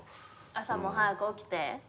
朝も早く起きて？